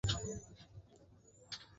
মৃত্যুর আগ পর্যন্ত আর দুশ্চিন্তা থাকতো না।